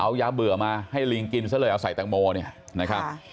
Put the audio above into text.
เอายาเบื่อมาให้ลิงกินซะเลยเอาใส่แตงโมเนี่ยนะครับ